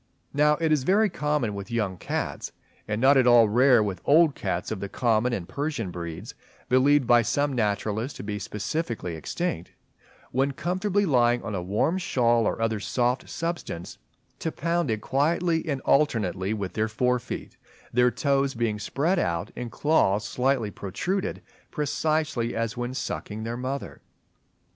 Now it is very common with young cats, and not at all rare with old cats of the common and Persian breeds (believed by some naturalists to be specifically extinct), when comfortably lying on a warm shawl or other soft substance, to pound it quietly and alternately with their fore feet; their toes being spread out and claws slightly protruded, precisely as when sucking their mother.